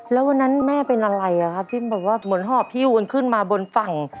แล้ววันนั้นแม่เป็นอะไรอ่ะครับพี่บอกว่าเหมือนห้อพี่อุ้นขึ้นมาบนฝั่ง